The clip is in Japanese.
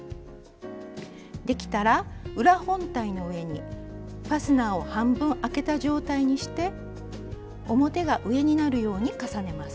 できたら裏本体の上にファスナーを半分開けた状態にして表が上になるように重ねます。